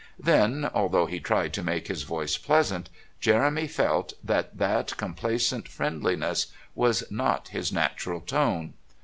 Then, although he tried to make his voice pleasant, Jeremy felt that that complaisant friendliness was not his natural tone.